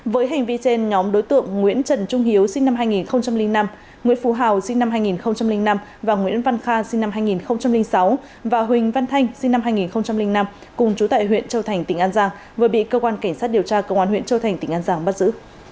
với hành vi trên nhóm đối tượng nguyễn trần trung hiếu sinh năm hai nghìn năm nguyễn phú hào sinh năm hai nghìn năm và nguyễn văn kha sinh năm hai nghìn sáu và huỳnh văn thanh sinh năm hai nghìn năm cùng chú tại huyện châu thành tỉnh an giang vừa bị cơ quan cảnh sát điều tra công an huyện châu thành tỉnh an giang bắt giữ